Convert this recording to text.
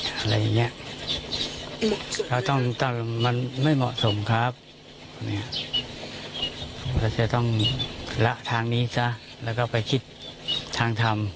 อะไรอย่างเงี้ยเราต้องมันไม่เหมาะสมครับเนี่ยก็จะต้องละทางนี้ซะแล้วก็ไปคิดทางทำ